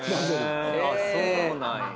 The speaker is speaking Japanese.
へぇそうなんや。